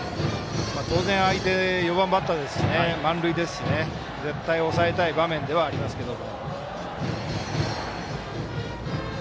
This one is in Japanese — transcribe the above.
当然、相手４番バッターですし満塁ですし、絶対抑えたい場面ではありますけど。